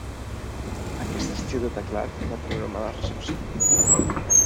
Aquest estil de teclat va tenir una mala recepció.